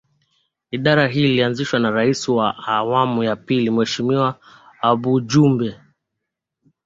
Idara hii ilianzishwa na Rais wa awamu ya Pili Mheshimiwa Aboud Jumbe